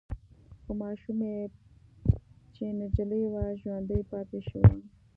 خو ماشوم يې چې نجلې وه ژوندۍ پاتې شوه.